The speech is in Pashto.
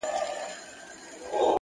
انسان خپل عادتونه بدل کړي، ژوند بدلېږي.!